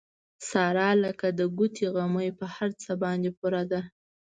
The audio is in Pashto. ساره لکه د ګوتې غمی په هر څه باندې پوره ده.